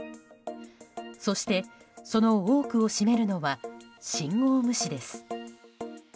そして、その多くを占めるのは信号無視です。